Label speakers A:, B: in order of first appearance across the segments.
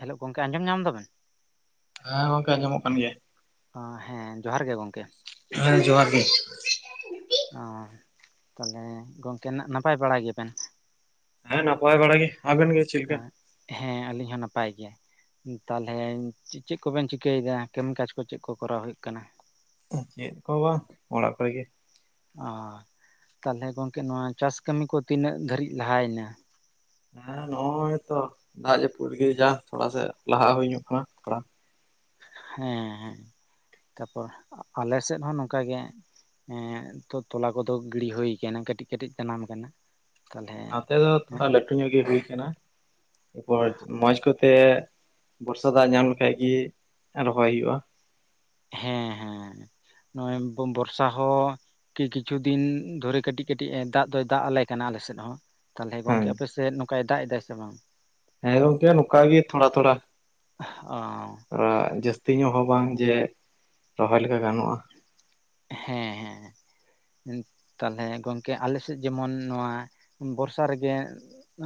A: ᱛᱷᱮᱞᱳᱜ ᱜᱚᱝᱠᱮ ᱟᱸᱡᱚᱢ ᱧᱟᱢ ᱫᱟᱵᱤᱱ?
B: ᱦᱮᱸ ᱜᱚᱝᱠᱮ ᱟᱸᱡᱚᱢ ᱚᱜ ᱠᱟᱱ ᱜᱮᱭᱟ
A: ᱚ ᱦᱮᱸ ᱡᱚᱦᱟᱨ ᱜᱮ ᱜᱚᱝᱠᱮ
B: ᱦᱮᱸ ᱡᱚᱦᱟᱨ ᱜᱮ
A: ᱚ ᱛᱟᱦᱚᱞᱮ ᱜᱚᱝᱠᱮ ᱱᱟᱜ ᱱᱟᱯᱟᱭ ᱵᱟᱲᱟ ᱜᱮᱭᱟ ᱵᱤᱱ?
B: ᱦᱮᱸ ᱱᱟᱯᱟᱭ ᱵᱟᱲᱟ ᱜᱮ ᱟᱵᱤᱱ ᱜᱮ ᱪᱮᱫ ᱞᱮᱠᱟ?
A: ᱮᱜ ᱟᱞᱤᱧ ᱦᱚᱸ ᱱᱟᱯᱟᱭ ᱜᱮᱭᱟ ᱛᱟᱦᱚᱞᱮᱧ ᱪᱤᱜ ᱪᱮᱫ ᱠᱚᱵᱮᱱ ᱪᱤᱠᱟᱹᱭ ᱮᱫᱟ ᱠᱟᱢᱤ ᱠᱟᱡᱽ ᱠᱚ ᱪᱮᱫ ᱠᱚ ᱠᱚᱨᱟᱣ ᱦᱩᱭᱩᱜ ᱠᱟᱱᱟ
B: ᱚ ᱪᱮᱫ ᱠᱚ ᱵᱟᱝ ᱚᱲᱟᱜ ᱠᱚᱨᱮ ᱜᱮ
A: ᱚ ᱛᱟᱦᱚᱞᱮ ᱜᱚᱝᱠᱮ ᱱᱚᱣᱟ ᱪᱟᱥ ᱠᱟᱹᱢᱤ ᱠᱚ ᱛᱤᱱᱟᱹᱜ ᱫᱟᱹᱨᱤᱡ ᱞᱟᱦᱟᱭ ᱱᱟ
B: ᱦᱮᱸ ᱱᱚᱜ ᱚᱭ ᱛᱚ ᱫᱟᱜ ᱡᱟᱹᱯᱩᱫ ᱜᱮ ᱡᱟ ᱛᱷᱚᱲᱟ ᱥᱮᱡ ᱞᱟᱦᱟ ᱦᱩᱭ ᱧᱚᱜ ᱠᱟᱱᱟ ᱛᱷᱚᱲᱟ
A: ᱦᱮᱸᱻᱻᱛᱟᱨᱯᱚᱨ ᱟᱞᱮ ᱥᱮᱫ ᱦᱚᱸ ᱱᱚᱝᱠᱟ ᱜᱮ ᱦᱮᱸ ᱛᱚ ᱛᱚᱞᱟ ᱠᱚᱫᱚ ᱜᱤᱲᱤ ᱦᱩᱭ ᱠᱟᱱᱟ ᱠᱟᱹᱴᱤᱡ ᱠᱟᱹᱴᱤᱡ ᱡᱟᱱᱟᱢ ᱟᱠᱟᱱᱟ ᱛᱟᱞᱦᱮ
B: ᱱᱟᱛᱮ ᱫᱚ ᱛᱷᱚᱲᱟ ᱞᱟᱹᱴᱩ ᱧᱚᱜ ᱜᱮ ᱦᱩᱭ ᱠᱟᱱᱟ ᱮᱯᱚᱡ ᱢᱚᱸᱡᱽ ᱠᱚᱛᱮ ᱵᱚᱨᱥᱟ ᱫᱟᱜ ᱧᱟᱢ ᱞᱮᱠᱷᱟᱡ ᱜᱤ ᱨᱚᱦᱚᱭ ᱦᱩᱭᱩᱜᱼᱟ᱾
A: ᱦᱮᱸ ᱦᱮᱸ ᱱᱚᱜ ᱚᱭ ᱵᱚ ᱵᱚᱨᱥᱟ ᱦᱚᱸ ᱠᱤ ᱠᱤᱪᱷᱩ ᱫᱤᱱ ᱫᱷᱚᱨᱮ ᱠᱟᱹᱴᱤᱡ ᱠᱟᱹᱴᱤᱡ ᱮ ᱫᱟᱜ ᱫᱚᱭ ᱫᱟᱜ ᱟᱞᱮ ᱠᱟᱱᱟ ᱟᱞᱮ ᱮᱥᱮᱫ ᱦᱚᱸ ᱛᱟᱦᱚᱞᱮ
B: ᱦᱮᱸ᱾
A: ᱜᱚᱝᱠᱮ ᱟᱯᱮ ᱥᱮᱫ ᱱᱚᱝ ᱠᱟᱭ ᱫᱟᱜ ᱮᱫᱟᱭ ᱥᱮ ᱵᱟᱝ
B: ᱦᱮᱸ ᱜᱚᱝᱠᱮ ᱱᱚᱠᱟ ᱜᱮ ᱛᱷᱚᱲᱟ ᱛᱷᱚᱲᱟ
A: ᱚ
B: ᱚᱸᱜ ᱡᱟᱹᱥᱛᱤ ᱧᱚᱜ ᱦᱚᱸ ᱵᱟᱝ ᱡᱮ ᱨᱚᱦᱚᱭ ᱞᱮᱠᱟ ᱜᱟᱱᱚᱜᱼᱟ
A: ᱦᱮᱸ ᱦᱮᱸ ᱦᱮ ᱛᱟᱞᱦᱮ ᱜᱚᱝᱠᱮ ᱟᱞᱮ ᱥᱮᱫ ᱡᱮᱢᱚᱱ ᱱᱚᱣᱟ ᱵᱚᱨᱥᱟ ᱨᱮᱜᱮ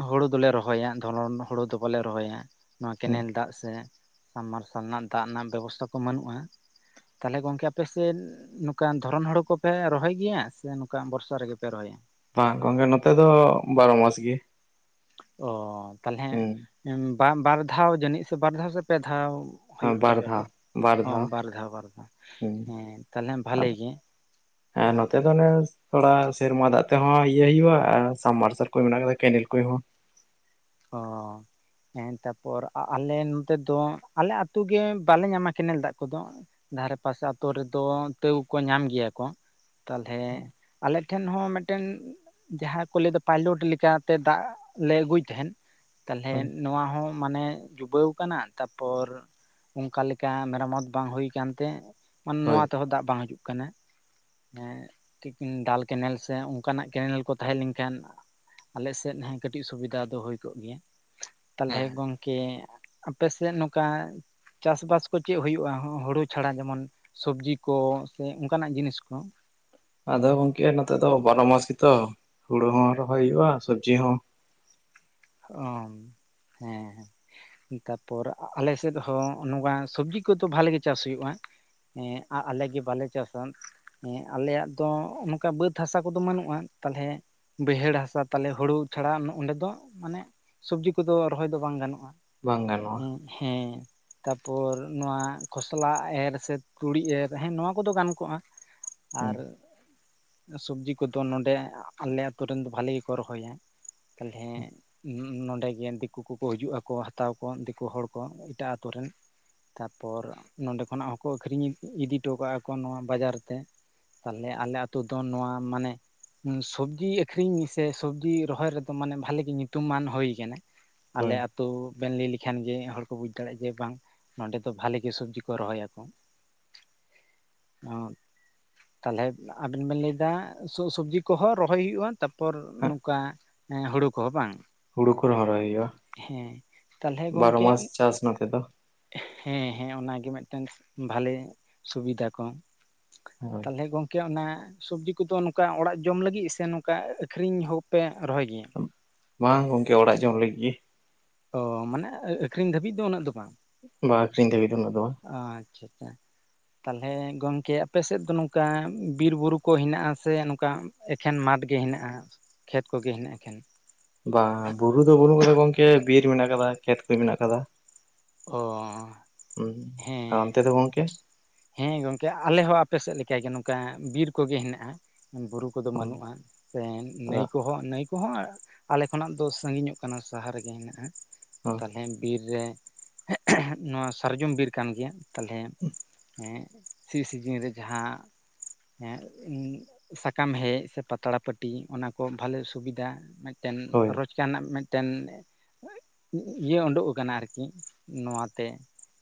A: ᱦᱩᱲᱩ ᱫᱚᱞᱮ ᱨᱚᱦᱚᱭᱟ ᱫᱷᱚᱨᱚᱱ ᱦᱩᱲᱩ ᱫᱚ ᱵᱟᱞᱮ ᱨᱚᱦᱚᱭᱟ ᱱᱚᱣᱟ
B: ᱦᱩᱸ
A: ᱠᱮᱱᱮᱞ ᱫᱟᱜ ᱥᱮ ᱥᱟᱢᱟᱨᱥᱟᱞ ᱱᱟ ᱫᱟᱜ ᱱᱟᱜ ᱵᱮᱵᱚᱥᱛᱟ ᱠᱚ ᱵᱟᱹᱱᱩᱜᱼᱟ, ᱛᱟᱦᱮᱞᱮ ᱜᱚᱝᱠᱮ ᱟᱯᱮᱥᱮᱫ ᱱᱚᱝᱠᱟᱱ ᱫᱷᱚᱨᱚᱱ ᱦᱩᱲᱩ ᱠᱚᱯᱮ, ᱨᱚᱦᱚᱭ ᱜᱮᱭᱟ ᱥᱮ, ᱱᱚᱝᱠᱟ ᱵᱚᱨᱥᱟ ᱨᱮᱜᱮ ᱯᱮ ᱨᱚᱦᱚᱭᱟ?
B: ᱵᱟᱝ ᱜᱚᱝᱠᱮ? ᱱᱚᱛᱮ ᱫᱚ ᱵᱟᱨᱚ ᱢᱟᱥ ᱜᱮ ᱾
A: ᱚᱻ, ᱛᱟᱦᱚᱞᱮ, ᱵᱟᱢ ᱵᱟᱨ ᱫᱷᱟᱣ ᱡᱟᱹᱱᱤᱡ ᱥᱮ, ᱵᱟᱨ ᱫᱷᱟᱣ ᱥᱮ? ᱯᱮ ᱫᱷᱟᱣ ᱾ ᱦᱩᱭᱩᱜ ᱛᱟᱯᱮ, ᱟᱯᱮᱭᱟ ᱾ ᱦᱚᱸ! ᱵᱟᱨ ᱫᱷᱟᱣ, ᱵᱟᱨ ᱫᱷᱟᱣ
B: ᱦᱩᱸ᱾
A: ᱾ ᱦᱮᱸ ᱛᱟᱦᱚᱞᱮ ᱵᱷᱟᱞᱞᱤ ᱜᱮ ᱾
B: ᱦᱮᱸ ᱱᱚᱛᱮ ᱫᱚ ᱚᱱᱮ ᱛᱷᱚᱲᱟ ᱥᱮᱨᱢᱟ ᱫᱟᱜ ᱛᱮᱦᱚᱸ ᱤᱭᱟᱹ ᱦᱳᱭᱳᱜᱼᱟ ᱾ ᱟᱨ ᱥᱟᱵᱢᱟᱨᱥᱟᱞ ᱠᱚ, ᱢᱮᱱᱟᱜ ᱟᱠᱟᱫᱟ ᱾ ᱠᱮᱱᱮᱞ ᱠᱩᱸᱭ ᱦᱚᱸ
A: ᱚᱻ ᱾ ᱦᱮᱸ, ᱛᱟᱯᱚᱨ ᱟᱞᱮ ᱱᱚᱛᱮ ᱫᱚ, ᱟᱞᱮ ᱟᱛᱳ ᱜᱮ ᱵᱟᱞᱮ ᱧᱟᱢᱟ, ᱠᱮᱱᱮᱞ ᱫᱟᱜ ᱠᱚᱫᱚ ᱾ ᱫᱷᱟᱨᱮ ᱯᱟᱥᱮ, ᱟᱛᱳ ᱨᱮᱫᱚ, ᱛᱟᱹᱣ ᱠᱚ, ᱧᱟᱢ ᱜᱮᱭᱟ ᱠᱚ ᱾ ᱛᱟᱦᱚᱞᱮ, ᱟᱞᱮ ᱴᱷᱮᱱ ᱦᱚᱸ ᱢᱤᱫᱴᱮᱱ ᱡᱟᱦᱟᱸ ᱠᱚ ᱞᱟᱹᱭ ᱮᱫᱟ ᱯᱟᱭᱞᱚᱴ ᱞᱮᱠᱟᱻᱛᱮ ᱫᱟᱜ ᱞᱮ ᱟᱹᱜᱩᱭ ᱛᱟᱦᱮᱸᱫ ᱛᱟᱦᱞᱮ,
B: ᱦᱳᱭ
A: ᱱᱚᱣᱟ ᱦᱚᱸ ᱢᱟᱱᱮ ᱡᱩᱜᱟᱹᱣ ᱟᱠᱟᱱᱟ ᱾ ᱛᱟᱯᱚᱨ, ᱚᱸᱠᱟ ᱞᱮᱠᱟ ᱢᱮᱨᱟᱢᱚᱛ ᱵᱟᱝ ᱦᱩᱭ ᱟᱠᱟᱱ ᱛᱮ ᱢᱟᱱᱮ
B: ᱦᱳᱭ
A: ᱱᱚᱣᱟ ᱛᱮᱦᱚᱸ ᱫᱟᱜ ᱵᱟᱝ ᱦᱤᱡᱩᱜ ᱠᱟᱱᱟ᱾ [inaudible] ᱰᱟᱞ ᱠᱮᱱᱮᱞ ᱥᱮ, ᱚᱱᱠᱟᱱᱟᱜ ᱠᱮᱱᱮᱞ ᱠᱚ ᱛᱟᱦᱮᱸ, ᱞᱮᱱᱠᱷᱟᱱ ᱟᱞᱮ ᱥᱮᱫ ᱦᱮᱸ ᱠᱟᱹᱴᱤᱡ ᱥᱩᱵᱤᱫᱟ ᱫᱚ ᱦᱩᱭ ᱠᱚᱜ ᱜᱮᱭᱟ, ᱛᱟᱞᱦᱮ
B: ᱦᱮᱸ
A: ᱜᱚᱝ - ᱠᱮ, ᱟᱯᱮᱥᱮᱫ ᱱᱚᱝᱠᱟ ᱪᱟᱥ ᱵᱟᱥ ᱠᱚ, ᱪᱮᱫ ᱦᱩᱭᱩᱜᱼᱟ? ᱦᱩᱲᱩ ᱪᱷᱟᱲᱟ ᱡᱮᱢᱚᱱ ᱥᱚᱵᱽᱡᱤ ᱠᱚ ᱥᱮ, ᱚᱱᱠᱟᱱᱟᱜ ᱡᱤᱱᱤᱥ ᱠᱚ?
B: ᱟᱫᱚ ᱜᱚᱝᱠᱮ ᱱᱚᱛᱮ ᱫᱚ ᱵᱟᱨᱚ ᱢᱟᱥ ᱜᱮᱛᱚ ᱦᱩᱲᱩ ᱦᱚᱸ ᱨᱚᱦᱚᱭ ᱦᱩᱭᱩᱜᱼᱟ ᱥᱚᱵᱽᱡᱤ ᱦᱚ
A: ᱚ ᱦᱮᱸᱦᱮᱸ᱾ ᱛᱟᱨᱯᱚᱨ ᱟᱞᱮ ᱥᱮᱫ ᱦᱚᱸ ᱱᱚᱝᱠᱟ ᱥᱚᱵᱡᱤ ᱠᱚᱫᱚ ᱵᱷᱟᱞᱮ ᱜᱮ ᱪᱟᱥ ᱦᱩᱭᱩᱜᱼᱟ᱾ ᱦᱮᱸ ᱟ ᱟᱞᱮᱜᱮ ᱵᱟᱞᱮ ᱪᱟᱥᱟ᱾ ᱦᱮᱸ ᱟᱞᱮᱭᱟᱜ ᱫᱚ ᱱᱚᱝᱠᱟ ᱵᱟᱹᱫᱽ ᱦᱟᱥᱟ ᱠᱚᱫᱚ ᱵᱟᱹᱱᱩᱜᱼᱟ ᱛᱟᱞᱦᱮ ᱵᱟᱹᱭᱦᱟᱹᱲ ᱦᱟᱥᱟ ᱛᱟᱦᱞᱮ ᱦᱳᱲᱳ ᱪᱷᱟᱲᱟ ᱚᱸᱰᱮ ᱫᱚ ᱢᱟᱱᱮ ᱥᱚᱵᱽᱡᱤ ᱠᱚᱫᱚ ᱨᱚᱦᱚᱭ ᱫᱚ ᱵᱟᱝ ᱜᱟᱱᱚᱜᱼᱟ᱾
B: ᱵᱟᱝ ᱜᱟᱱᱚᱜᱼᱟ᱾
A: ᱦᱮᱸ᱾ ᱛᱟᱯᱚᱨ ᱱᱚᱣᱟ ᱠᱷᱚᱥᱞᱟ ᱮᱨ ᱥᱮ ᱛᱩᱲᱤ ᱮᱨ ᱦᱮᱸ ᱱᱚᱣᱟ ᱠᱚᱫᱚ ᱜᱟᱱ ᱠᱚᱜᱼᱟ᱾
B: ᱦᱩᱸ
A: ᱟᱨ ᱥᱩᱵᱽᱡᱤ ᱠᱚᱫᱚ ᱱᱚᱸᱰᱮ ᱟᱞᱮ ᱟᱹᱛᱩ ᱨᱮᱱ ᱫᱚ ᱵᱷᱟᱞᱮ ᱜᱮᱠᱚ ᱨᱚᱦᱚᱭᱟ ᱛᱟᱦᱞᱮ ᱱᱚᱸᱰᱮ ᱜᱮ ᱫᱤᱠᱩ ᱠᱩᱠᱚ ᱦᱤᱡᱩᱜ ᱟᱠᱚ ᱦᱟᱛᱟᱣ ᱟᱠᱚ ᱫᱤᱠᱩ ᱦᱚᱲ ᱠᱚ ᱮᱴᱟᱜ ᱟᱹᱛᱩ ᱨᱮᱱ ᱛᱟᱨᱯᱚᱨ ᱱᱚᱰᱮ ᱠᱷᱚᱱᱟᱜ ᱦᱚᱸᱠᱚ ᱟᱹᱠᱷᱨᱤᱧ ᱤᱫᱤ ᱦᱚᱴᱚ ᱠᱟᱜᱼᱟ ᱠᱚ ᱱᱚᱣᱟ ᱵᱟᱡᱟᱨ ᱛᱮ ᱛᱟᱦᱞᱮ ᱟᱞᱮ ᱟᱹᱛᱩ ᱫᱚ ᱱᱚᱣᱟ ᱢᱟᱱᱮ ᱥᱚᱵᱽᱡᱤ ᱟᱹᱠᱷᱨᱤᱧ ᱥᱮ ᱥᱚᱵᱽᱡᱤ ᱨᱚᱦᱚᱭ ᱨᱮᱫᱚ ᱢᱟᱱᱮ ᱵᱷᱟᱞᱤᱮ ᱜᱮ ᱧᱩᱛᱩᱢ ᱧᱩᱛᱩᱢᱟᱱ ᱦᱩᱭ ᱟᱠᱟᱱᱟ ᱟᱞᱮ
B: ᱦᱳᱭ
A: ᱛᱚ ᱵᱮᱱ ᱞᱟᱹᱭ ᱞᱮᱠᱷᱟᱱ ᱜᱮ ᱦᱚᱲ ᱠᱚ ᱵᱩᱡ ᱫᱟᱲᱮᱭᱟᱜᱼᱟ ᱡᱮ ᱵᱟᱝ ᱱᱚᱸᱰᱮ ᱫᱚ ᱵᱷᱟᱞᱮ ᱜᱮ ᱥᱚᱵᱡᱤ ᱠᱚ ᱨᱚᱦᱚᱭᱟ᱾ ᱚ ᱛᱟᱦᱞᱮ ᱟᱵᱮᱱ ᱵᱮᱱ ᱞᱟᱹᱭᱮᱫᱟ ᱥᱚᱵᱽᱡᱤ ᱠᱚᱦᱚᱸ ᱨᱚᱦᱚᱭ ᱦᱩᱭᱩᱜᱼᱟ, ᱯᱚᱨ
B: ᱦᱟᱸᱜ
A: ᱱᱚᱝᱠᱟ ᱦᱳᱲᱳ ᱠᱚᱦᱚᱸ ᱵᱟᱝ
B: ᱦᱩᱲᱩ ᱠᱚ ᱨᱚᱦᱚᱭ ᱦᱩᱭᱩᱜᱼᱟ
A: ᱦᱮᱸ ᱛᱟᱦᱚᱞᱮ
B: ᱾ᱵᱟᱨᱚ
A: ᱜᱚᱝᱠᱮ
B: ᱢᱟᱥ ᱪᱟᱥ ᱱᱚᱛᱚ᱾
A: ᱦᱮᱸ ᱦᱮᱸ ᱚᱱᱟᱜᱮ ᱢᱮᱫᱴᱮᱱ ᱵᱷᱟᱞᱮ ᱥᱩᱵᱤᱫᱷᱟ ᱠᱚ᱾
B: ᱦᱳᱭ
A: ᱛᱟᱦᱚᱞᱮ ᱜᱚᱢᱠᱮ ᱜᱚᱢᱠᱮ ᱚᱱᱟ ᱥᱚᱵᱽᱡᱤ ᱠᱚᱫᱚ ᱱᱚᱝᱠᱟ ᱚᱲᱟᱜ ᱡᱚᱢ ᱞᱟᱹᱜᱤᱫ ᱥᱮ ᱱᱚᱝᱠᱟ ᱟᱹᱠᱷᱨᱤᱧ ᱦᱚᱸᱯᱮ ᱨᱚᱦᱚᱭ ᱜᱮᱭᱟ?
B: ᱵᱟᱝ ᱜᱚᱝᱠᱮ ᱚᱲᱟᱜ ᱡᱚᱝ ᱞᱟᱹᱜᱤᱫ ᱜᱮ᱾
A: ᱚ ᱢᱟᱱᱮ ᱟᱹᱠᱷᱨᱤᱧ ᱫᱷᱟᱹᱵᱤᱡ ᱫᱚ ᱩᱱᱟᱹᱜ ᱫᱚ ᱵᱟᱝ?
B: ᱵᱟ ᱟᱠᱷᱨᱤᱧ ᱫᱟᱹᱵᱤᱡ ᱫᱚ ᱩᱱᱟᱹᱜ ᱵᱟᱝ᱾
A: ᱟ ᱟᱪᱪᱷᱟ ᱟᱪᱪᱷᱟ᱾ ᱛᱟᱦᱞᱮ ᱜᱚᱝᱠᱮ ᱟᱯᱮᱥᱮᱫ ᱫᱚ ᱱᱚᱝᱠᱟ ᱵᱤᱨ ᱵᱩᱨᱩ ᱠᱚ ᱦᱤᱱᱟᱜᱼᱟ ᱥᱮ ᱱᱚᱝᱠᱟ ᱮᱠᱷᱮᱱ ᱢᱟᱴᱷ ᱜᱮ ᱦᱤᱱᱟᱜᱼᱟ ᱠᱷᱮᱛ ᱠᱚᱜᱮ ᱦᱤᱱᱟᱜᱼᱟ ᱮᱠᱷᱮᱱ
B: ᱵᱟᱝ ᱵᱩᱨᱩ ᱫᱚ ᱵᱟᱹᱱᱩᱜ ᱠᱟᱫᱟ ᱜᱚᱢᱠᱮ ᱵᱤᱨ ᱢᱮᱱᱟᱜ ᱟᱠᱟᱫᱟ ᱠᱷᱮᱛ ᱠᱚ ᱢᱮᱱᱟᱜ ᱟᱠᱟᱫᱟ᱾
A: ᱚ
B: ᱩᱸ, ᱟᱨ
A: ᱦᱮᱸ
B: ᱨᱟᱱᱛᱮ ᱫᱚ ᱜᱚᱢᱠᱮ?
A: ᱦᱮᱸ ᱜᱚᱢᱠᱮ ᱟᱞᱮ ᱦᱚᱸ ᱟᱯᱮ ᱥᱮᱫ ᱞᱮᱠᱟ ᱜᱮ ᱱᱚᱝᱠᱟ, ᱵᱤᱨ ᱠᱚᱜᱮ ᱦᱮᱱᱟᱜᱼᱟ ᱵᱩᱨᱩ ᱠᱚᱫᱚ ᱵᱟᱹᱱᱩᱜᱼᱟ ᱥᱮ ᱱᱟᱹᱭ ᱠᱚᱦᱚᱸ ᱱᱟᱹᱭ ᱠᱚᱦᱚᱸ ᱟᱞᱮ ᱠᱷᱚᱱᱟᱜ ᱫᱚ ᱥᱟᱺᱜᱤᱧᱚᱜ ᱠᱟᱱᱟ ᱥᱟᱦᱟ ᱨᱤᱜᱤ ᱦᱮᱱᱟᱜᱼᱟ᱾ ᱛᱟᱞᱦᱮ ᱵᱤᱨ ᱨᱮ ᱱᱚᱣᱟ ᱥᱟᱨᱡᱚᱢ ᱵᱤᱨ ᱠᱟᱱ ᱜᱮᱭᱟ ᱛᱟᱞᱦᱮ ᱦᱮᱸ ᱥᱤ ᱥᱤᱡᱤᱱ ᱨᱮ ᱡᱟᱦᱟᱸ ᱦᱮᱸ ᱥᱟᱠᱟᱢ ᱦᱮᱡ ᱥᱮ ᱯᱟᱛᱲᱟ ᱯᱟᱹᱴᱤ ᱚᱱᱟ ᱠᱚ ᱵᱷᱟᱞᱮ ᱥᱩᱵᱤᱫᱟ ᱮᱱ
B: ᱦᱳᱭ
A: ᱨᱚᱡ ᱪᱟᱹᱱᱟᱜ ᱢᱮᱫᱴᱮᱱ ᱤᱭᱟᱹ ᱳᱰᱳᱜ ᱟᱠᱟᱱᱟ ᱟᱨᱠᱤ, ᱱᱚᱣᱟᱛᱮ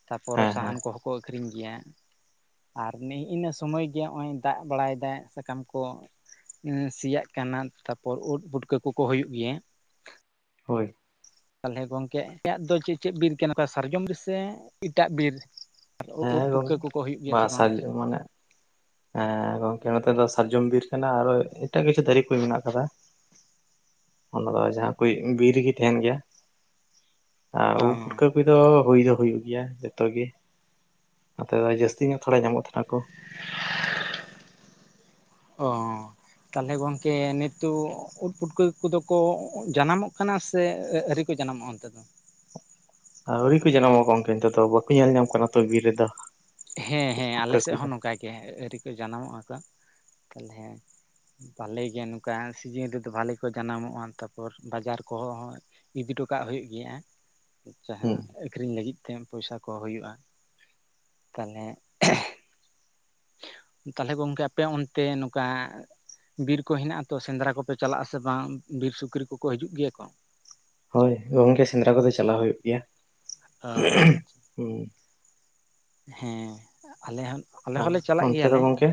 A: ᱛᱟᱯᱚᱨᱮ
B: ᱦᱮᱸ
A: ᱥᱟᱦᱟᱱ
B: ᱦᱮᱸ
A: ᱠᱚᱦᱚᱸ ᱠᱚ ᱟᱹᱠᱷᱨᱤᱧ ᱜᱮᱭᱟ᱾ ᱟᱨ ᱩᱱᱤ ᱤᱱᱟᱹ ᱥᱚᱢᱚᱭ ᱜᱮ ᱱᱚᱜᱼᱚᱭ ᱫᱟᱜ ᱵᱟᱲᱟᱭᱮᱫᱟᱭ ᱥᱟᱠᱟᱢ ᱠᱚ ᱥᱮᱭᱟᱜ ᱠᱟᱱᱟ ᱛᱟᱯᱚᱨ ᱩᱫ ᱵᱩᱴᱠᱟᱹ ᱠᱩᱠᱚ ᱦᱩᱭᱩᱜ ᱜᱮᱭᱟ᱾
B: ᱦᱳᱭ
A: ᱛᱟᱦᱞᱮ ᱜᱚᱢᱠᱮ ᱟᱯᱮᱭᱟᱜ ᱫᱚ ᱪᱮᱫ ᱪᱮᱫ ᱵᱤᱨ ᱠᱟᱱᱟ, ᱥᱟᱨᱡᱚᱢ ᱵᱤᱨ ᱥᱮ ᱤᱴᱟᱜ ᱵᱤᱨ? ᱩᱫ
B: ᱦᱮᱸ ᱜᱚᱝ
A: ᱯᱩᱴᱠᱟᱹ ᱠᱚᱠᱚ ᱦᱩᱭᱩᱜ ᱜᱮᱭᱟ
B: ᱵᱟ
A: ᱥᱮ ᱵᱟᱝ?
B: ᱥᱟᱨᱡᱚᱢ ᱢᱟᱱᱮ ᱦᱮᱸ ᱜᱚᱝᱠᱮ ᱱᱚᱛᱮ ᱫᱚ ᱥᱟᱨᱡᱚᱢ ᱵᱤᱨ ᱠᱟᱱᱟ ᱟᱨᱚ ᱮᱴᱟᱜ ᱠᱤᱪᱷᱩ ᱫᱟᱨᱮ ᱠᱚ ᱢᱮᱱᱟᱜ ᱟᱠᱟᱫᱟ ᱚᱱᱟ ᱫᱚ ᱡᱟᱦᱟᱸ ᱠᱚ ᱵᱤᱨ ᱨᱮᱜᱮ ᱛᱤᱦᱮᱱ ᱜᱮᱭᱟ᱾ ᱟᱨ
A: ᱚ
B: ᱩᱫ ᱯᱩᱴᱠᱟ ᱠᱚ ᱫᱚ ᱦᱩᱭ ᱫᱚ ᱦᱩᱭᱩᱜ ᱜᱮᱭᱟ ᱡᱚᱛᱚ ᱜᱮ᱾ ᱱᱚᱛᱮ ᱫᱚ ᱡᱟᱹᱥᱛᱤ ᱧᱚᱜ ᱛᱷᱚᱲᱟ ᱧᱟᱢᱚᱜ ᱛᱟᱦᱮᱱᱟ ᱠᱚ᱾
A: ᱚ ᱛᱟᱦᱞᱮ ᱜᱚᱝᱠᱮ ᱱᱤᱛᱩᱜ ᱩᱫ ᱯᱩᱴᱠᱟᱹ ᱠᱩᱫᱚ ᱠᱚ ᱡᱟᱱᱟᱢᱚᱜ ᱠᱟᱱᱟ ᱥᱮ ᱡᱟᱱᱟᱢᱚᱜᱼᱟ ᱚᱱᱛᱮ ᱫᱚ
B: ᱟᱹᱣᱨᱤ ᱠᱚ ᱡᱟᱱᱟᱢᱚᱜ ᱜᱚᱢᱠᱮ ᱱᱤᱛᱚᱜ ᱫᱚ ᱵᱟᱠᱚ ᱧᱮᱞ ᱧᱟᱢ ᱠᱟᱱᱟ ᱛᱚ ᱵᱤᱨ ᱨᱮᱫᱚ᱾
A: ᱦᱮᱸ ᱦᱮᱸ ᱟᱞᱮ ᱥᱮᱜ ᱦᱚᱸ ᱱᱚᱝᱠᱟ ᱜᱮ ᱟᱹᱨᱤ ᱠᱚ ᱡᱟᱱᱟᱢᱚᱜ-ᱟ ᱠᱚ ᱛᱟᱞᱦᱮ ᱯᱟᱞᱮ ᱜᱮ ᱱᱚᱠᱟ ᱥᱤᱡᱤᱱ ᱨᱮᱫᱚ ᱵᱷᱟᱞᱮ ᱠᱚ ᱡᱟᱱᱟᱢᱚᱜ-ᱟ ᱛᱟᱯᱚᱨ ᱵᱟᱡᱟᱨ ᱠᱚᱦᱚᱸ ᱤᱫᱤ ᱴᱚ ᱠᱟᱜ ᱦᱩᱭᱩᱜ ᱜᱮᱭᱟ ᱡᱟᱦᱟᱸ
B: ᱦᱩᱸ
A: ᱟᱠᱷᱨᱤᱧ ᱞᱟᱹᱜᱤᱫ ᱛᱮ ᱯᱚᱭᱥᱟ ᱠᱚ ᱦᱩᱭᱩᱜ-ᱟ ᱛᱟᱞᱦᱮ ᱛᱟᱞᱦᱮ ᱜᱚᱝᱠᱮ ᱟᱯᱮ ᱚᱱᱛᱮ ᱱᱚᱠᱟ ᱵᱤᱨ ᱠᱚ ᱦᱮᱱᱟᱟ ᱛᱚ ᱥᱮᱸᱫᱽᱨᱟ ᱠᱚᱯᱮ ᱪᱟᱞᱟᱜ-ᱟ ᱥᱮ ᱵᱟᱝ ᱵᱤᱨ ᱥᱩᱠᱨᱤ ᱠᱚᱠᱚ ᱦᱤᱡᱩᱜ ᱜᱮᱭᱟ ᱠᱚ
B: ᱦᱳᱭ ᱜᱚᱝᱠᱮ ᱥᱮᱸᱫᱽᱨᱟ ᱠᱚᱫᱚ ᱪᱟᱞᱟᱣ ᱦᱩᱭᱩᱜ ᱜᱮᱭᱟ
A: ᱚ ᱟᱪᱪᱷᱟ
B: ᱦᱩᱸ
A: ᱦᱮᱸ ᱟᱞᱮ ᱦᱚᱸ ᱟᱞᱮ
B: ᱟᱨ
A: ᱦᱚᱸᱞᱮ ᱪᱟᱞᱟᱜ
B: ᱚᱱᱛᱮ ᱫᱚ
A: ᱜᱮᱭᱟᱞᱮ
B: ᱜᱚᱝᱠᱮ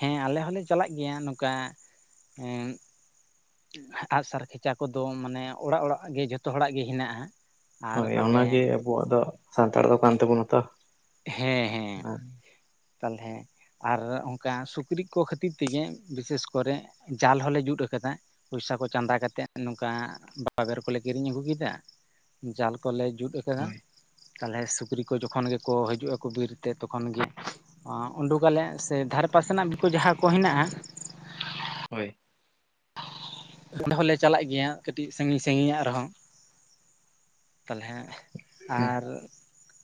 A: ᱦᱮᱸ ᱟᱞᱮ ᱦᱚᱞᱮ ᱪᱟᱞᱟᱜ ᱜᱮᱭᱟ ᱱᱚᱠᱟ ᱟᱜ ᱥᱟᱨ ᱠᱷᱮᱪᱟ ᱠᱚᱫᱚ ᱢᱟᱱᱮ ᱚᱲᱟᱜ ᱚᱲᱟᱜ ᱜᱮ ᱡᱷᱚᱛᱚ ᱦᱚᱲᱟᱜ ᱜᱮ ᱦᱮᱱᱟᱜ-ᱟ
B: ᱦᱳᱭ ᱚᱱᱟᱜᱮ ᱟᱵᱚᱣᱟᱜ ᱫᱚ ᱥᱟᱱᱛᱟᱲ ᱫᱚ ᱠᱟᱱ ᱛᱟᱵᱚᱱᱟ ᱛᱚ
A: ᱦᱮᱸ ᱦᱮᱸ ᱛᱟᱞᱦᱮ ᱟᱨ ᱚᱝᱠᱟ ᱥᱩᱠᱨᱤ ᱠᱚ ᱠᱷᱟᱹᱛᱤᱨ ᱛᱮᱜᱮ ᱵᱤᱥᱮᱥ ᱠᱚᱨᱮ ᱡᱟᱞ ᱦᱚᱞᱮ ᱡᱩᱫ ᱟᱠᱟᱫᱟ ᱯᱩᱭᱥᱟ ᱠᱚ ᱪᱟᱸᱫᱟ ᱠᱟᱛᱮᱫ ᱱᱚᱝᱠᱟ ᱵᱟᱵᱮᱨ ᱠᱚᱞᱮ ᱠᱤᱨᱤᱧ ᱟᱹᱜᱩ ᱠᱮᱫᱟ ᱡᱟᱞ ᱠᱚᱞᱮ ᱡᱩᱫ ᱟᱠᱟᱫᱟ
B: ᱦᱳᱭ
A: ᱛᱟᱞᱦᱮ ᱥᱩᱠᱨᱤ ᱠᱚ ᱡᱚᱠᱷᱚᱱ ᱜᱮᱠᱚ ᱦᱤᱡᱩᱜ ᱟᱠᱚ ᱵᱤᱨᱛᱮ ᱛᱚᱠᱷᱚᱱ ᱜᱮ ᱩᱸᱰᱩᱠ ᱟᱞᱮ ᱥᱮ ᱫᱷᱟᱨ ᱯᱟᱥᱮᱱᱟᱜ ᱡᱟᱦᱟᱸ ᱠᱚ ᱦᱮᱱᱟᱜ-ᱟ
B: ᱦᱳᱭ
A: ᱚᱸᱰᱮ ᱦᱚᱞᱮ ᱪᱟᱞᱟᱜ ᱜᱮᱭᱟ ᱠᱟᱹᱴᱤᱡ ᱥᱟᱺᱜᱤᱧ ᱥᱟᱺᱜᱤᱧᱟᱜ ᱨᱮᱦᱚᱸ ᱛᱟᱞᱦᱮ ᱟᱨ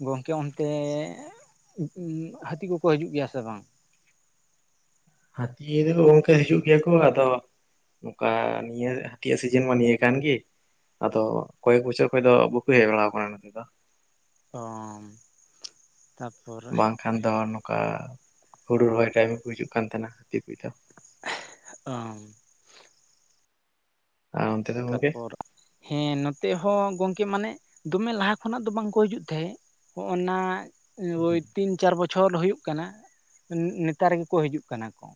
A: ᱜᱚᱝᱠᱮ ᱚᱱᱛᱮ ᱦᱟᱹᱛᱤ ᱠᱚᱠᱚ ᱦᱤᱡᱩᱜ ᱜᱮᱭᱟ ᱥᱮ ᱵᱟᱝ
B: ᱦᱟᱹᱛᱤ ᱫᱚ ᱜᱚᱝᱠᱮ ᱦᱤᱡᱩᱜ ᱜᱮᱭᱟ ᱠᱚ ᱟᱫᱚ ᱱᱚᱠᱟ ᱱᱤᱭᱟᱹ ᱦᱟᱹᱛᱤᱭᱟᱜ ᱥᱤᱡᱤᱱ ᱢᱟ ᱱᱤᱭᱟᱹ ᱠᱟᱱᱜᱤ ᱟᱫᱚ ᱠᱚᱭᱮᱠ ᱵᱚᱪᱷᱚᱨ ᱠᱷᱚᱡ ᱫᱚ ᱵᱟᱠᱩ ᱦᱮᱡ ᱵᱟᱲᱟᱣ ᱠᱟᱱᱟ ᱱᱚᱛᱮ ᱫᱚ
A: ᱚᱻ
B: ᱵᱟᱝᱠᱷᱟᱱ ᱫᱚ ᱱᱚᱠᱟ ᱦᱩᱲᱩ ᱨᱚᱦᱚᱭ ᱴᱟᱭᱤᱢ ᱠᱚ ᱦᱤᱡᱩᱜ ᱠᱟᱱ ᱛᱟᱦᱮᱱᱟ ᱦᱟᱹᱛᱤ ᱠᱚᱫᱚ
A: ᱚ
B: ᱟᱨ ᱚᱱᱛᱮ ᱫᱚ ᱜᱚᱝᱠᱮ
A: ᱛᱟᱯᱚᱨ ᱦᱮᱸ ᱱᱚᱛᱮ ᱦᱚᱸ ᱜᱚᱝᱠᱮ ᱢᱟᱱᱮ ᱫᱚᱢᱮ ᱞᱟᱦᱟ ᱠᱷᱚᱱᱟᱜ ᱫᱚ ᱵᱟᱝᱠᱚ ᱦᱤᱡᱩᱜ ᱛᱟᱦᱮᱸᱫ ᱦᱚᱜ-ᱚ ᱱᱟ ᱳᱭ ᱛᱤᱱ ᱪᱟᱨ ᱵᱚᱪᱷᱚᱨ ᱦᱩᱭᱩᱜ ᱠᱟᱱᱟ ᱱᱮᱛᱟᱨ ᱜᱮᱠᱚ ᱦᱤᱡᱩᱜ ᱠᱟᱱᱟ ᱠᱚ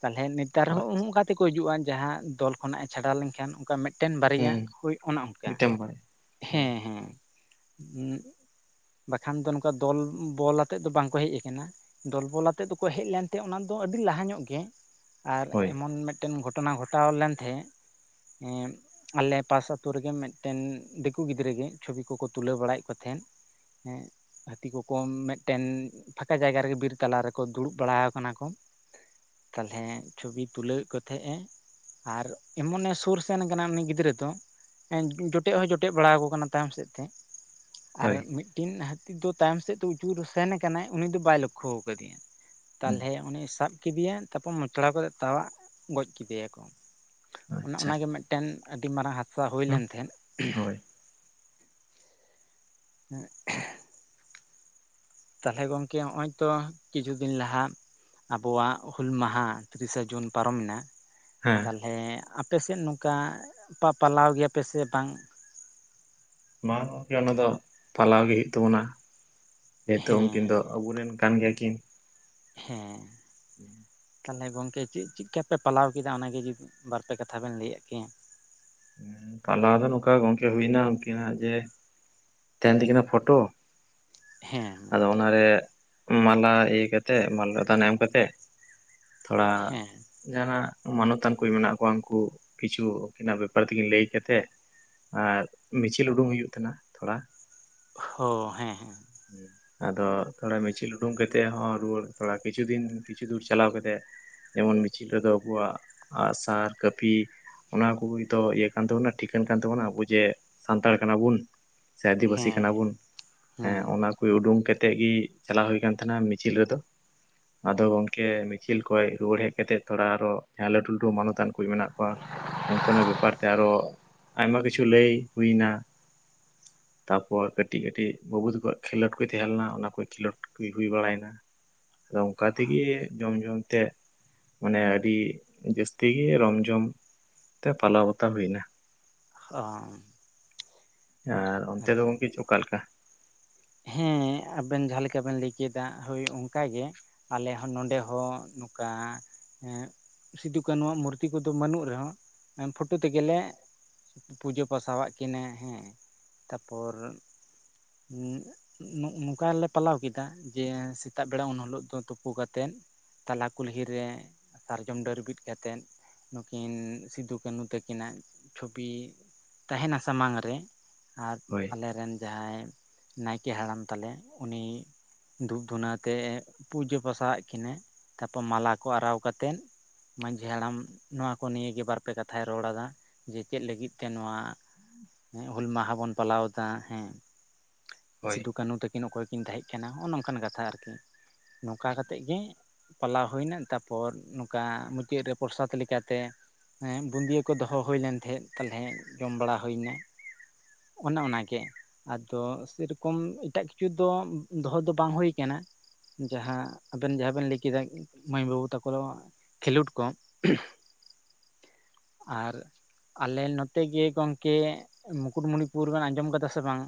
A: ᱛᱟᱞᱦᱮ ᱛᱟᱨᱨᱦᱚᱸ
B: ᱟᱪᱪᱷᱟ
A: ᱩᱝᱠᱟ ᱛᱮᱠᱚ ᱦᱤᱡᱩᱜ-ᱟ ᱡᱟᱦᱟᱸ ᱫᱚᱞ ᱠᱷᱚᱱᱟᱜ ᱮ ᱪᱷᱟᱰᱟᱣ ᱞᱮᱱᱠᱷᱟᱱ ᱚᱱᱠᱟ ᱢᱮᱫ ᱴᱮᱱ ᱵᱟᱨᱭᱟ
B: ᱦᱩᱸ
A: ᱦᱳᱭ ᱚᱱᱮ ᱚᱱᱠᱟ
B: ᱢᱤᱫᱴᱟᱝ ᱵᱟᱲᱟᱭ ᱦᱳᱭ
A: ᱦᱮᱸ ᱦᱮᱸ ᱵᱟᱠᱷᱟᱱ ᱫᱚ ᱱᱚᱠᱟ ᱫᱚᱞ ᱵᱚᱞ ᱟᱛᱮᱫ ᱫᱚ ᱵᱟᱝᱠᱚ ᱦᱮᱡ ᱟᱠᱟᱱᱟ ᱫᱚᱞ ᱵᱚᱞ ᱟᱛᱮᱫ ᱫᱚᱠᱚ ᱦᱮᱡ ᱞᱮᱱ ᱛᱮ ᱚᱱᱟᱫᱚ ᱟᱹᱰᱤ ᱞᱟᱦᱟ ᱧᱚᱜ ᱜᱮ ᱟᱨ
B: ᱦᱳᱭ
A: ᱮᱢᱚᱱ ᱢᱮᱫᱴᱮᱱ ᱜᱷᱚᱴᱚᱱᱟ ᱜᱷᱚᱴᱟᱣ ᱞᱮᱱ ᱛᱮᱦᱮᱸ ᱟᱞᱮ ᱯᱟᱥ ᱟᱛᱳ ᱨᱮᱜᱮ ᱢᱮᱫᱴᱮᱱ ᱫᱤᱠᱩ ᱜᱤᱫᱽᱨᱟᱹ ᱜᱮ ᱪᱷᱚᱵᱤ ᱠᱚᱠᱚ ᱛᱩᱞᱟᱹᱣ ᱵᱟᱲᱟᱭᱮᱫ ᱠᱚ ᱛᱟᱦᱮᱸᱫ ᱦᱮᱸ ᱦᱟᱹᱛᱤ ᱠᱚᱠᱚ ᱢᱮᱫᱴᱮᱱ ᱯᱷᱟᱸᱠᱟ ᱡᱟᱭᱜᱟ ᱨᱮᱜᱮ ᱵᱤᱨ ᱛᱟᱞᱟ ᱨᱮᱠᱚ ᱫᱩᱲᱩᱵ ᱵᱟᱲᱟᱣ ᱠᱟᱱᱟ ᱠᱚ ᱛᱟᱞᱦᱮ ᱪᱷᱚᱵᱤ ᱛᱩᱞᱟᱹᱣᱮᱫ ᱠᱚ ᱛᱟᱦᱮᱸᱜ ᱮ ᱟᱨ ᱮᱢᱚᱱᱮ ᱥᱩᱨ ᱥᱮᱱ ᱟᱠᱟᱱᱟ ᱩᱱᱤ ᱜᱤᱫᱽᱨᱟᱹ ᱫᱚ ᱡᱚᱴᱮᱫ ᱦᱚᱸᱭ ᱡᱚᱴᱮᱫ ᱵᱟᱲᱟᱠᱚ ᱠᱟᱱᱟ ᱛᱟᱭᱚᱢ ᱥᱮᱫ ᱛᱮ ᱟᱨ
B: ᱦᱳᱭ
A: ᱢᱤᱫ ᱴᱤᱱ ᱦᱟᱹᱛᱤ ᱫᱚ ᱛᱟᱭᱚᱢ ᱥᱮᱫ ᱛᱮ ᱩᱪᱩᱨ ᱥᱮᱱ ᱟᱠᱟᱱᱟᱭ ᱩᱱᱤ ᱫᱚ ᱵᱟᱭ ᱞᱚᱠᱠᱷᱚ ᱠᱟᱫᱤᱭᱟ
B: ᱦᱩᱸ
A: ᱛᱟᱞᱦᱮ ᱩᱱᱤᱭ ᱥᱟᱵ ᱠᱤᱫᱤᱭᱟ ᱛᱟᱯᱚᱨ ᱢᱚᱪᱲᱟᱣ ᱠᱟᱛᱮᱫ ᱛᱟᱣᱟᱜ ᱜᱚᱡ ᱠᱮᱫᱮᱭᱟᱠᱚ ᱚᱱᱮ
B: ᱟᱪᱪᱷᱟ
A: ᱚᱱᱟᱜᱮ ᱢᱮᱫ ᱴᱮᱱ ᱟᱹᱰᱤ ᱢᱟᱨᱟᱝ ᱦᱟᱛᱥᱟ ᱦᱩᱭ
B: ᱦᱩᱸ
A: ᱞᱮᱱ ᱛᱟᱦᱮᱸᱫ
B: ᱦᱳᱭ
A: [unintelligible] ᱛᱟᱞᱦᱮ ᱜᱚᱝᱠᱮ ᱦᱚᱸᱚᱭ ᱛᱚ ᱠᱤᱪᱷᱩ ᱫᱤᱱ ᱞᱟᱦᱟ ᱟᱵᱚᱣᱟᱜ ᱦᱩᱞ ᱢᱟᱦᱟ ᱛᱤᱨᱤᱥᱟ ᱡᱩᱱ ᱯᱟᱨᱚᱢ ᱮᱱᱟ
B: ᱦᱮᱸ
A: ᱛᱟᱞᱦᱮ ᱟᱯᱮ ᱥᱮᱫ ᱱᱚᱝᱠᱟ ᱯᱟ ᱯᱟᱞᱟᱣ ᱜᱮᱭᱟᱯᱮ ᱥᱮ ᱵᱟᱝ
B: ᱵᱟᱝ ᱜᱚᱢᱠᱮ ᱚᱱᱟ ᱫᱚ ᱯᱟᱞᱟᱣ ᱜᱮ ᱦᱳᱭᱳᱜ ᱛᱟᱵᱚᱱᱟ ᱦᱮᱸ ᱛᱷᱚ ᱩᱱᱠᱤᱱ ᱫᱚ ᱟᱵᱚᱨᱮᱱ ᱠᱟᱱ ᱜᱮᱭᱟ ᱠᱤᱱ
A: ᱦᱮᱸ
B: [inaudible]
A: ᱛᱟᱦᱚᱞᱮ ᱜᱚᱢᱠᱮ ᱪᱮᱫ ᱪᱮᱫ ᱠᱟ ᱯᱮ ᱯᱟᱞᱟᱣ ᱠᱮᱫᱟ ᱚᱱᱟ ᱜᱮ ᱡᱩᱫᱤ ᱵᱟᱨ ᱯᱮ ᱠᱟᱛᱷᱟ ᱵᱮᱱ ᱞᱟᱹᱭᱟᱜ ᱠᱮᱭᱟ?
B: ᱦᱮᱸ ᱯᱟᱞᱟᱣ ᱫᱚ ᱱᱚᱝᱠᱟ ᱜᱚᱢᱠᱮ ᱦᱩᱭᱱᱟ ᱩᱱᱠᱤ ᱱᱟᱜ ᱡᱮ ᱛᱟᱦᱮᱱ ᱛᱤᱠᱤᱱᱟ ᱯᱷᱳᱴᱳ
A: ᱦᱮᱸ ᱦᱮᱸ
B: ᱚᱱᱟ ᱨᱮ ᱢᱟᱞᱟ ᱤᱭᱟᱹ ᱠᱟᱛᱮᱜ ᱢᱟᱞᱟ ᱮᱢᱟᱱ ᱫᱟᱱ ᱮᱢ ᱠᱟᱛᱮᱜ ᱛᱷᱚᱲᱟ
A: ᱦᱮᱸ
B: ᱡᱟᱦᱟᱱᱟᱜ ᱢᱟᱱᱚᱛᱟᱱ ᱠᱚ ᱢᱮᱱᱟᱜ ᱠᱚᱣᱟ ᱩᱱᱠᱩ ᱠᱤᱪᱷᱩ ᱩᱱᱠᱤᱱᱟᱜ ᱛᱮᱜᱮ ᱞᱟᱹᱭ ᱠᱟᱛᱮ ᱟᱨ ᱢᱤᱪᱷᱤᱞ ᱩᱰᱩᱠ ᱦᱩᱭᱩᱜ ᱛᱟᱦᱮᱱᱟ ᱛᱷᱚᱲᱟ
A: ᱦᱚᱸ ᱦᱮᱸ
B: [unintelligible] ᱟᱫᱚ ᱛᱷᱚᱲᱟ ᱢᱤᱪᱷᱤᱞ ᱩᱰᱩᱝ ᱠᱟᱛᱮ ᱦᱚᱸ ᱨᱩᱣᱟᱹᱲ ᱛᱷᱚᱲᱟ ᱠᱤᱪᱷᱩ ᱫᱤᱱ ᱠᱤᱪᱷᱩ ᱫᱩᱨ ᱪᱟᱞᱟᱣ ᱠᱟᱛᱮ ᱡᱮᱢᱚᱱ ᱢᱤᱪᱷᱤᱞ ᱨᱮᱫᱚ ᱟᱵᱚᱣᱟᱜ ᱟᱸᱜᱥᱟᱨ ᱠᱟᱹᱯᱤ ᱚᱱᱟ ᱠᱚ ᱱᱤᱛᱚᱜ ᱤᱭᱟᱹ ᱠᱟᱱ ᱛᱟᱵᱚᱱᱟ ᱴᱷᱤᱠᱟᱹᱱ ᱠᱟᱱ ᱛᱟᱵᱚᱱᱟ ᱟᱵᱚ ᱡᱮ ᱥᱟᱱᱛᱟᱲ ᱠᱟᱱᱟ ᱵᱩᱱ ᱥᱮ ᱟᱹᱫᱤᱵᱟᱹᱥᱤ ᱠᱟᱱᱟ
A: ᱦᱮᱸ
B: ᱵᱚᱱ ᱦᱮᱸ ᱚᱱᱟ ᱠᱚ ᱩᱰᱩᱝ ᱠᱟᱛᱮ ᱜᱮ ᱪᱟᱞᱟᱣ ᱦᱩᱭ ᱟᱠᱟᱱ ᱛᱟᱦᱮᱱᱟ ᱢᱤᱪᱷᱤᱞ ᱨᱮᱫᱚ ᱟᱫᱚ ᱜᱚᱢᱠᱮ ᱢᱤᱪᱷᱤᱞ ᱠᱷᱚᱱ ᱨᱩᱣᱟᱹᱲ ᱦᱮᱡ ᱠᱟᱛᱮ ᱛᱷᱚᱲᱟ ᱟᱨᱚ ᱞᱟᱹᱴᱩ ᱞᱟᱹᱴᱩ ᱢᱟᱱᱚᱛᱟᱱ ᱠᱚ ᱢᱮᱱᱟᱜ ᱠᱚᱣᱟ ᱩᱱᱠᱩ ᱱᱟᱜ ᱵᱮᱯᱟᱨ ᱛᱮ ᱟᱨᱚ ᱟᱭᱢᱟ ᱠᱤᱪᱷᱩ ᱞᱟᱹᱭ ᱦᱩᱭ ᱮᱱᱟ ᱛᱟᱯᱚᱨ ᱠᱟᱹᱴᱤᱡ ᱠᱟᱹᱴᱤᱡ ᱵᱟᱹᱵᱩ ᱛᱟᱠᱚᱣᱟᱜ ᱠᱷᱮᱞᱳᱰ ᱠᱚ ᱛᱟᱦᱮᱸ ᱞᱮᱱᱟ ᱚᱱᱟ ᱠᱚ ᱠᱷᱮᱞᱳᱰ ᱠᱚ ᱦᱩᱭ ᱵᱟᱲᱟᱭᱱᱟ᱾ ᱟᱫᱚ ᱚᱱᱠᱟ ᱛᱮᱜᱮ ᱡᱚᱢ ᱡᱚᱢ ᱛᱮ ᱢᱟᱱᱮ ᱟᱹᱰᱤ ᱡᱟᱹᱥᱛᱤ ᱜᱮ ᱨᱚᱢ ᱡᱷᱚᱢ ᱛᱮ ᱯᱟᱞᱟᱣ ᱵᱟᱛᱟᱣ ᱦᱩᱭᱱᱟ᱾
A: ᱚᱸ
B: ᱟᱨ ᱚᱱᱛᱮ ᱫᱚ ᱜᱚᱝᱠᱮ ᱚᱠᱟ ᱞᱮᱠᱟ?
A: ᱦᱮᱸ ᱟᱵᱮᱱ ᱡᱟᱦᱟᱸ ᱞᱮᱠᱟ ᱵᱮᱱ ᱞᱟᱹᱭ ᱠᱮᱫᱟ ᱦᱳᱭ ᱚᱱᱠᱟ ᱜᱮ ᱟᱞᱮ ᱦᱚᱸ ᱱᱚᱰᱮ ᱦᱚᱸ ᱱᱚᱠᱟ ᱥᱤᱫᱩ ᱠᱟᱱᱩ ᱣᱟᱜ ᱢᱩᱨᱛᱤ ᱠᱚᱫᱚ ᱵᱟᱹᱱᱩᱜ ᱨᱮᱦᱚᱸ ᱯᱷᱳᱴᱳ ᱛᱮᱜᱮ ᱞᱮ ᱯᱩᱡᱟᱹ ᱯᱟᱥᱟᱼᱟᱜ ᱠᱤᱱᱟᱹ ᱦᱮᱸ ᱛᱟᱯᱚᱨ ᱱᱚᱝᱠᱟ ᱞᱮ ᱯᱟᱞᱟᱣ ᱠᱮᱫᱟ ᱡᱮ ᱥᱮᱛᱟᱜ ᱵᱮᱲᱟ ᱩᱱᱦᱤᱞᱚᱜ ᱫᱚ ᱛᱩᱯᱩ ᱠᱟᱛᱮ ᱛᱟᱞᱟ ᱠᱩᱞᱦᱤ ᱨᱮ ᱥᱟᱨᱡᱚᱢ ᱰᱟᱹᱨ ᱵᱤᱫ ᱠᱟᱛᱮᱫ ᱱᱩᱠᱤᱱ ᱥᱤᱫᱩ ᱠᱟᱹᱱᱦᱩ ᱛᱟᱹᱠᱤᱱᱟᱜ ᱪᱷᱚᱵᱤ ᱛᱟᱦᱮᱱᱟ ᱥᱟᱢᱟᱝ ᱨᱮ ᱟᱨ
B: ᱦᱳᱭ
A: ᱟᱞᱮ ᱨᱮᱱ ᱡᱟᱦᱟᱸᱭ ᱱᱟᱭᱠᱮ ᱦᱟᱲᱟᱢ ᱛᱟᱞᱮ ᱩᱱᱤ ᱫᱷᱩᱯ ᱫᱷᱩᱱᱟᱹᱣ ᱛᱮ ᱯᱩᱡᱟᱹ ᱯᱟᱥᱟᱣᱟᱜ ᱠᱤᱱᱟᱹ ᱛᱟᱯᱚᱨ ᱢᱟᱞᱟ ᱠᱚ ᱟᱨᱟᱣ ᱠᱟᱛᱮᱫ ᱢᱟᱹᱡᱷᱤ ᱦᱟᱲᱟᱢ ᱱᱚᱣᱟ ᱠᱚ ᱱᱤᱭᱟᱹ ᱜᱮ ᱵᱟᱨ ᱯᱮ ᱠᱟᱛᱷᱟᱭ ᱨᱚᱲ ᱟᱫᱟ ᱡᱮ ᱪᱮᱫ ᱞᱟᱹᱜᱤᱫ ᱛᱮ ᱱᱚᱣᱟ ᱦᱩᱞ ᱢᱟᱦᱟ ᱵᱚᱱ ᱯᱟᱞᱟᱣ ᱮᱫᱟ ᱦᱮᱸ
B: ᱦᱳᱭ
A: ᱥᱤᱫᱩ ᱠᱟᱹᱱᱩ ᱛᱟᱹᱠᱤᱱ ᱚᱠᱚᱭ ᱠᱤᱱ ᱛᱟᱦᱮᱸ ᱠᱟᱱᱟ ᱦᱚᱜᱼᱚ ᱱᱚᱝᱠᱟᱱ ᱠᱟᱛᱷᱟ ᱟᱨᱠᱤ ᱱᱚᱝᱠᱟ ᱠᱟᱛᱮ ᱜᱮ ᱯᱟᱞᱟᱣ ᱦᱩᱭᱱᱟ ᱛᱟᱨᱯᱚᱨ ᱱᱚᱝᱠᱟ ᱢᱩᱪᱟᱹᱫ ᱨᱮ ᱯᱨᱚᱥᱟᱫ ᱞᱮᱠᱟ ᱛᱮ ᱦᱮᱸ ᱵᱩᱸᱫᱤᱭᱟᱹ ᱠᱚ ᱫᱚᱦᱚ ᱦᱩᱭ ᱞᱮᱱ ᱛᱟᱦᱮᱸᱫ ᱛᱟᱦᱚᱞᱮ ᱡᱚᱢ ᱵᱟᱲᱟ ᱦᱩᱭ ᱮᱱᱟ ᱚᱱᱮ ᱚᱱᱟ ᱜᱮ ᱟᱫᱚ ᱥᱮᱨᱚᱠᱚᱢ ᱮᱴᱟᱜ ᱠᱤᱪᱷᱩ ᱫᱚ ᱫᱚᱦᱚ ᱫᱚ ᱵᱟᱝ ᱦᱩᱭ ᱟᱠᱟᱱᱟ ᱡᱟᱦᱟᱸ ᱟᱵᱮᱱ ᱡᱟᱦᱟᱸ ᱵᱮᱱ ᱞᱟᱹᱭ ᱠᱮᱫᱟ ᱢᱟᱹᱭ ᱵᱟᱹᱵᱩ ᱛᱟᱠᱚ ᱫᱚ ᱠᱷᱮᱞᱳᱰ ᱠᱚ ᱟᱨ ᱟᱞᱮ ᱱᱚᱛᱮ ᱜᱮ ᱜᱚᱢᱠᱮ ᱢᱩᱠᱩᱴ ᱢᱩᱱᱤᱯᱩᱨ ᱵᱮᱱ ᱟᱸᱡᱚᱢ ᱟᱠᱟᱫᱟ ᱥᱮ ᱵᱟᱝ?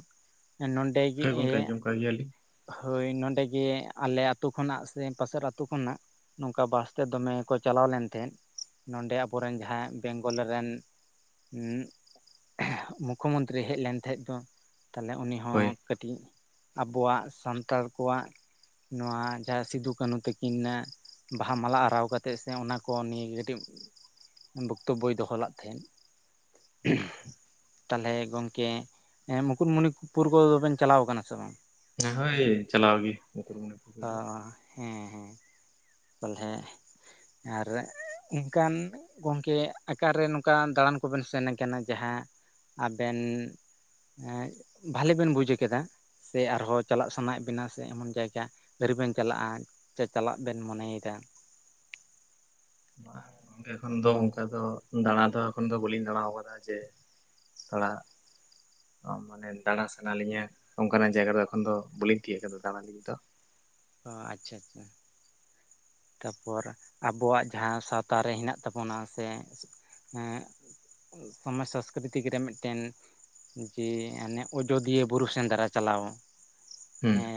A: ᱱᱚᱰᱮ ᱜᱮ
B: ᱦᱳᱭ ᱜᱚᱝᱠᱮ
A: ᱤᱭᱟᱹᱭᱟ
B: ᱟᱸᱡᱚᱢ ᱠᱟᱜ ᱜᱮᱭᱟᱞᱤᱧ
A: ᱦᱳᱭ ᱱᱚᱰᱮ ᱜᱮ ᱟᱞᱮ ᱟᱛᱳ ᱠᱷᱚᱱᱟᱜ ᱥᱮ ᱯᱟᱥᱮᱨ ᱟᱛᱳ ᱠᱷᱚᱱᱟᱜ ᱱᱚᱝᱠᱟ ᱵᱟᱥ ᱛᱮ ᱫᱚᱢᱮ ᱠᱚ ᱪᱟᱞᱟᱣ ᱞᱮᱱ ᱛᱟᱦᱮᱸ ᱱᱚᱰᱮ ᱟᱵᱚᱨᱮᱱ ᱡᱟᱦᱟᱸᱭ ᱵᱮᱝᱜᱚᱞ ᱨᱮᱱ ᱢᱩᱠᱠᱷᱳ ᱢᱚᱱᱛᱨᱤ ᱦᱮᱡ ᱞᱮᱱ ᱛᱟᱦᱮᱸᱡ ᱛᱚ ᱛᱟᱦᱞᱮ ᱩᱱᱤ ᱦᱚᱸ
B: ᱦᱳᱭ
A: ᱠᱟᱹᱴᱤᱡ ᱟᱵᱚᱣᱟᱜ ᱥᱟᱱᱛᱟᱲ ᱠᱚᱣᱟᱜ ᱱᱚᱣᱟ ᱡᱟᱦᱟᱸ ᱥᱤᱫᱩ ᱠᱟᱹᱱᱦᱩ ᱛᱟᱹᱠᱤᱱᱟᱜ ᱵᱟᱦᱟ ᱢᱟᱞᱟ ᱟᱨᱟᱣ ᱠᱟᱛᱮᱫ ᱥᱮ ᱚᱱᱟ ᱠᱚ ᱱᱤᱭᱮ ᱠᱟᱹᱴᱤᱢ ᱵᱚᱠᱛᱚᱵᱳᱭ ᱫᱚᱦᱚ ᱞᱟᱫ ᱛᱟᱦᱮᱸᱫ ᱛᱟᱦᱚᱞᱮ ᱜᱚᱝᱠᱮ ᱦᱮᱸ ᱢᱩᱠᱩᱴᱢᱩᱱᱤ ᱯᱩᱨᱜᱟᱹ ᱫᱚ ᱵᱮᱱ ᱪᱟᱞᱟᱣ ᱟᱠᱟᱱᱟ ᱥᱮ ᱵᱟᱝ
B: ᱦᱮ ᱦᱳᱭ ᱪᱟᱞᱟᱣ ᱜᱮ
A: ᱚ ᱦᱮᱸ ᱦᱮᱸ ᱛᱟᱞᱦᱮ ᱡᱟᱦᱟᱸ ᱨᱮ ᱮᱱᱠᱟᱱ ᱜᱚᱝᱠᱮ ᱟᱠᱟ ᱨᱮ ᱱᱚᱝᱠᱟ ᱫᱟᱬᱟᱱ ᱠᱚ ᱵᱮᱱ ᱥᱮᱱ ᱠᱟᱱᱟ ᱡᱟᱦᱟᱸ ᱟᱵᱮᱱ ᱮᱸᱜ ᱵᱷᱟᱞᱮ ᱵᱮᱱ ᱵᱩᱡᱽ ᱠᱮᱫᱟ ᱥᱮ ᱟᱨᱦᱚᱸ ᱪᱟᱞᱟᱜ ᱥᱟᱱᱟᱭᱮᱫ ᱵᱮᱱᱟ ᱥᱮ ᱮᱢᱚᱱ ᱡᱟᱭᱜᱟ ᱟᱹᱣᱨᱤ ᱵᱮᱱ ᱪᱟᱞᱟᱜ-ᱟ ᱥᱮ ᱪᱟᱞᱟᱜ ᱵᱮᱱ ᱢᱚᱱᱮᱭ ᱮᱫᱟ
B: [inaudible] ᱜᱚᱝᱠᱮ ᱮᱠᱷᱚᱱ ᱫᱚ ᱚᱱᱠᱟ ᱫᱚ ᱫᱟᱬᱟ ᱫᱚ ᱮᱠᱷᱚᱱ ᱫᱚ ᱵᱟᱹᱞᱤᱧ ᱫᱟᱬᱟ ᱟᱠᱟᱫᱟ ᱡᱮ ᱛᱷᱚᱲᱟ ᱚ ᱢᱟᱱᱮ ᱫᱟᱬᱟ ᱥᱟᱱᱟ ᱞᱤᱧᱟᱹ ᱚᱱᱠᱟᱱᱟᱜ ᱡᱟᱭᱜᱟ ᱨᱮ ᱮᱠᱷᱚᱱ ᱫᱚ ᱵᱟᱹᱞᱤᱧ ᱛᱤᱭᱟᱹᱜ ᱟᱠᱟᱫᱟ ᱫᱟᱬᱟᱱ ᱞᱤᱧ ᱫᱚ
A: ᱚᱸ ᱟᱪᱪᱷᱟ ᱟᱪᱪᱷᱟ ᱛᱟᱯᱚᱨ ᱟᱵᱚᱣᱟᱜ ᱡᱟᱦᱟᱸ ᱥᱟᱶᱛᱟ ᱨᱮ ᱦᱮᱱᱟᱜ ᱛᱟᱵᱚᱱᱟ ᱥᱮ ᱮᱸᱜ ᱥᱚᱢᱟᱡᱽ ᱥᱚᱝᱥᱠᱨᱤᱛᱤᱠ ᱨᱮ ᱢᱤᱫᱴᱮᱱ ᱡᱮ ᱚᱱᱮ ᱚᱡᱚᱫᱤᱭᱟᱹ ᱵᱩᱨᱩ ᱥᱮᱸᱫᱽᱨᱟ ᱪᱟᱞᱟᱣ
B: ᱦᱩᱸ
A: ᱦᱮᱸ